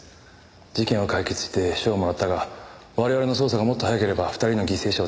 事件を解決して賞をもらったが我々の捜査がもっと早ければ２人の犠牲者を出さずに済んだ。